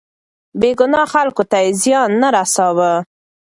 بې ګناه خلکو ته يې زيان نه رساوه.